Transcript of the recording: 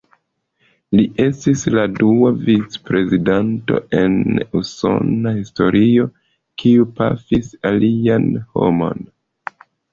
Li estis la dua vicprezidanto en Usona historio kiu pafis alian homon.